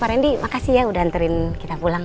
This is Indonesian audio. pak randy makasih ya udah antarin kita pulang